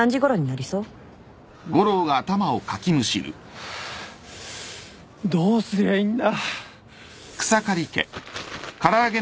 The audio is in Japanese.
ハァどうすりゃいいんだ。